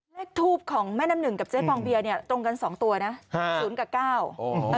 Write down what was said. เลขทูปของแม่ดำหนึ่งกับเจ๊ฟองเบียเนี่ยตรงกัน๒ตัวนะ๐กับ๙